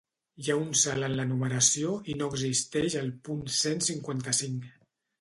Hi ha un salt en la numeració i no existeix el punt cent cinquanta-cinc.